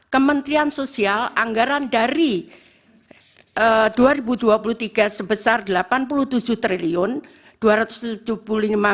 kementerian sosial anggaran dari dua ribu dua puluh tiga sebesar rp delapan puluh tujuh dua ratus tujuh puluh lima